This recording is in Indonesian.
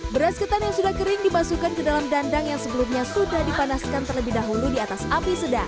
beras ketan yang sudah kering dimasukkan ke dalam dandang yang sebelumnya sudah dipanaskan terlebih dahulu di atas api sedang